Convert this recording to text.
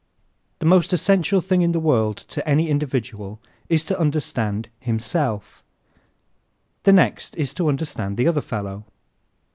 _ The most essential thing in the world to any individual is to understand himself. The next is to understand the other fellow.